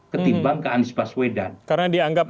ketimbang ke anies baswedan karena dianggap